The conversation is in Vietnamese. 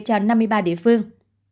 cho năm mươi ba địa phương